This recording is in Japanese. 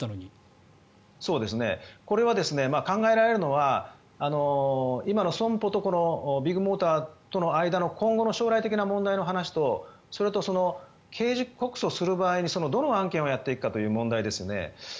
これは考えられるのは今の損保とビッグモーターとの間の今後の将来的な問題の話とそれと刑事告訴する場合にどの案件をやっていくかという問題ですよね。